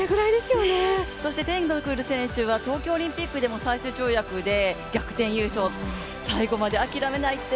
そしてテントグル選手は東京オリンピックでも最終跳躍で逆転優勝、最後まで諦めないって